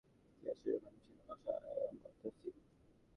কী আশ্চর্য কাণ্ড, ছেলেমেয়ে সবার মধ্যে ফিফথ।